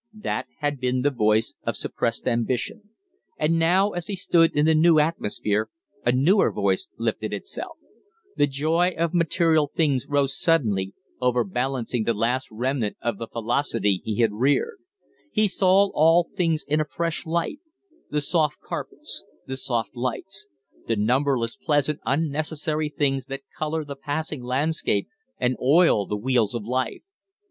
That had been the voice of suppressed ambition; and now as he stood in the new atmosphere a newer voice lifted itself. The joy of material things rose suddenly, overbalancing the last remnant of the philosophy he had reared. He saw all things in a fresh light the soft carpets, the soft lights, the numberless pleasant, unnecessary things that color the passing landscape and oil the wheels of life.